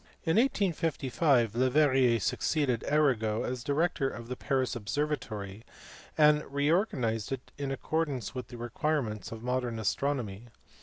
In 1855 Leverrier succeeded Arago as director of the Paris observatory, and reorganized it in accordance with the requirements of modern astronomy.